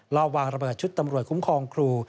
รอบวางระเบิดชุดตำรวจคุ้มครองครู